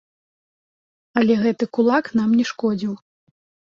Але гэты кулак нам не шкодзіў.